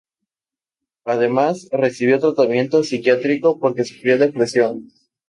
Además, recibió tratamiento psiquiátrico porque sufrió depresión.